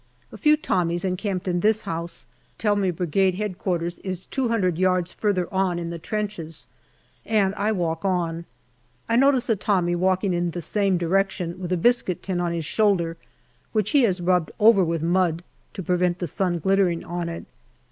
A few Tommies encamped in this house tell me Brigade H.Q. is two hundred yards further on in the trenches, and I walk on. I notice a Tommy walking in the same direction with a biscuit tin on his shoulder, which he has rubbed over with mud to prevent the sun glittering on it.